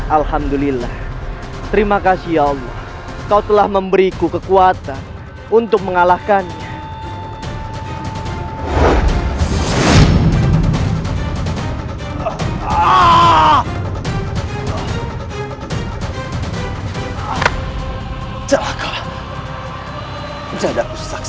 alhamdulillah terima kasih allah kau telah memberiku kekuatan untuk mengalahkannya